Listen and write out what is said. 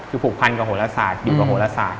คือผูกพันกับโหลศาสตร์อยู่กับโหลศาสต